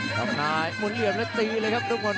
ต้องนายมุนเหลี่ยมนะตีเลยครับทุกคน